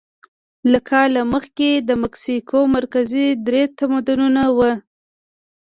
له کال مخکې د مکسیکو مرکزي درې تمدنونه وو.